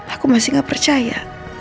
aku masih gak percaya